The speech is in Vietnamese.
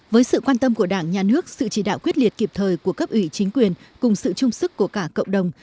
với sự quan tâm của đảng nhà nước sự chỉ đạo quyết liệt kịp thời của cấp ủy chính quyền cùng sự chung sức của cả cộng đồng